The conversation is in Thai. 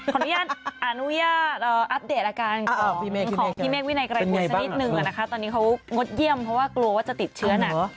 ขออนุญาตอัปเดตอาการของพี่เมฆวินัยไกรกูลสักนิดนึงนะคะตอนนี้เขางดเยี่ยมเพราะว่ากลัวว่าจะติดเชื้อหนัก